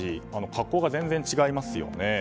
格好が全然違いますよね。